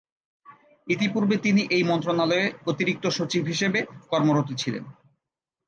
ইতিপূর্বে তিনি এই মন্ত্রণালয়ে অতিরিক্ত সচিব হিসেবে কর্মরত ছিলেন।